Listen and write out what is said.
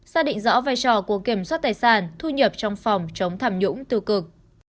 xác định rõ vai trò của kiểm soát tài sản thu nhập trong phòng chống thảm nhũng tư cực